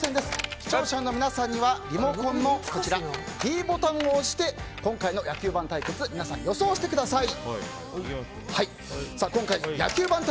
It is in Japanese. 視聴者の皆さんにはリモコンのｄボタンを押して今回の野球盤対決皆さん、予想してください。